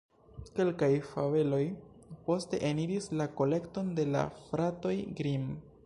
Kelkaj fabeloj poste eniris la kolekton de la Fratoj Grimm.